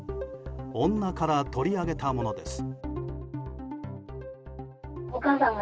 女から取り上げたものです。